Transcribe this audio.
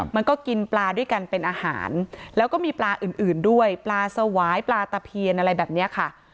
มันก็กินปลาด้วยกันเป็นอาหารแล้วก็มีปลาอื่นด้วยปลาสวายปลาตะเพียนอะไรแบบนี้ค่ะ